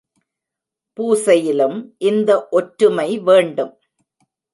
பூசையிலும் இந்த ஒற்றுமை வேண்டும்.